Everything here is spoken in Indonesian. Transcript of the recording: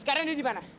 sekarang dia di mana